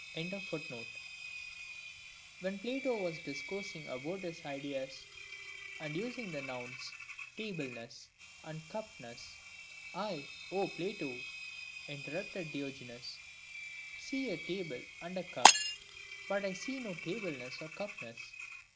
J When Plato was discoursing about his " ideas," and using the nouns " tableness " and " cupness;" "I, 0 Plato !" inter rupted Diogenes, " see a table and a cup, but I see no table iiess or cupness."